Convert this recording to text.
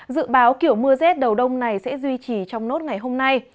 dự báo kiểu mưa rét đầu đông này sẽ duy trì trong nốt ngày hôm nay